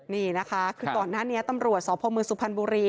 นี่นะคะคือตอนหน้าตำรวจสมซูพันบุรี